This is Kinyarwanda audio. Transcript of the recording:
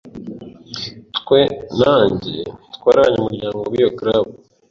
Twe na njye twari abanyamuryango b'iyo club.